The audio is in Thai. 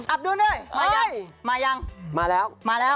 อับดุลด้วยมายังมาแล้ว